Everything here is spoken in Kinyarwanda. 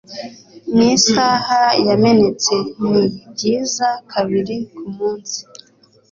N'isaha yamenetse ni byiza kabiri kumunsi.